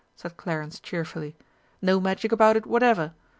said Clarence cheerfully; "no Magic about it whatever.